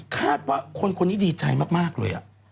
คาดว่าคนคนนี้ดีใจมากเลย